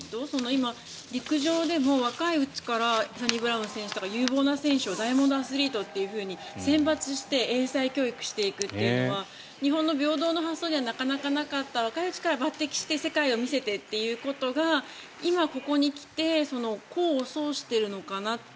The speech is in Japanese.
今、陸上でも若いうちからサニブラウン選手とか有望な選手をダイヤモンドアスリートって選抜して英才教育していくというのは日本の平等の発想にはなかなかなかった若いうちから抜てきして世界を見せてということが今、ここに来て功を奏しているのかなって。